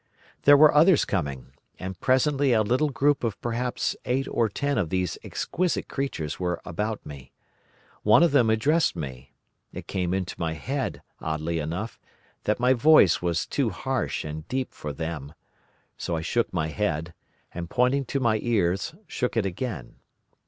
"There were others coming, and presently a little group of perhaps eight or ten of these exquisite creatures were about me. One of them addressed me. It came into my head, oddly enough, that my voice was too harsh and deep for them. So I shook my head, and, pointing to my ears, shook it again.